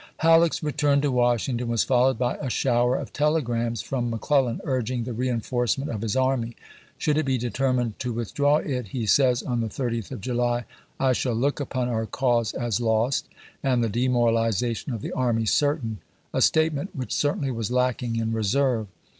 Halleck's return to Washington was followed by p se?. " a shower of telegrams from McClellan urging the reenforcement of his army. " Should it be deter mined to withdraw it," he says on the 30th of July, 1862. " I shall look upon our cause as lost, and the de moralization of the army certain" — a statement iwd., p. 342. which certainly was lacking in reserve.